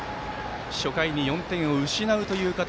初回に４点を失うという形。